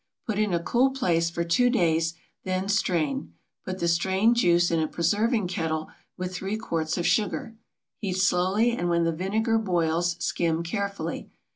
Put in a cool place for two days, then strain. Put the strained juice in a preserving kettle with 3 quarts of sugar. Heat slowly, and when the vinegar boils skim carefully.